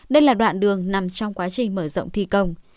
đây là đoạn đường nằm trong quá trình mở rộng thi công